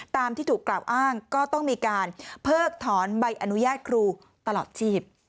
ตามที่ถูกกล่าวอ้างก็ต้องมีการเพิกถอนใบอนุญาตครูตลอดชีพ